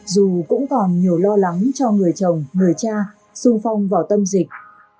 dù cũng còn nhiều lo lắng cho người chồng người cha sung phong vào tâm dịch